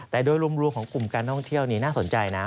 แต่โดยรวมของกลุ่มการท่องเที่ยวนี่น่าสนใจนะ